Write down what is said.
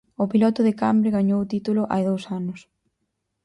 O piloto de Cambre gañou o título hai dous anos.